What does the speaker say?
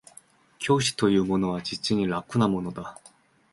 教師というものは実に楽なものだ